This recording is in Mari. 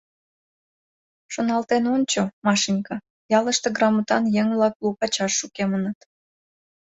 — Шоналтен ончо, Машенька, ялыште грамотан еҥ-влак лу пачаш шукемыныт.